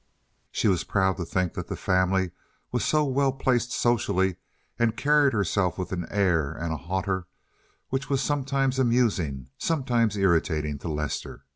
She was proud to think that the family was so well placed socially, and carried herself with an air and a hauteur which was sometimes amusing, sometimes irritating to Lester!